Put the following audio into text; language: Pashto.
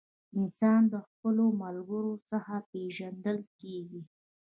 انسان د خپلو ملګرو څخه پیژندل کیږي.